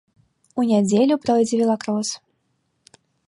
У нядзелю пройдзе велакрос.